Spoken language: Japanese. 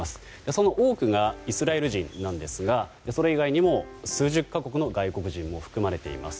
その多くがイスラエル人ですがそれ以外にも数十か国の外国人も含まれています。